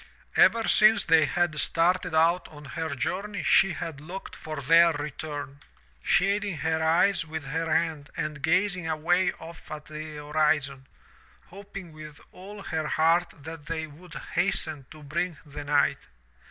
Ever since they had started out on her journey she had looked 213 MY BOOK HOUSE for their return, shading her eyes with her hand and gazing away off at the horizon, hoping with all her heart that they would hasten to bring the night.